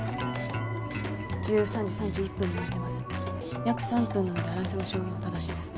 １３時３１分になってます約３分なので新井さんの証言は正しいですね